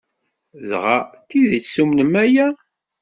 Dɣa d tidet tumnem aya?